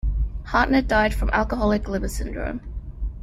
Hartnett died from Alcoholic Liver Syndrome.